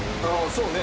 そうね